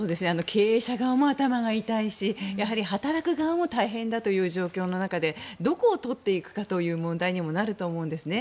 経営者側も頭が痛いし働く側も大変だという状況の中でどこを取っていくかという問題にもなると思うんですね。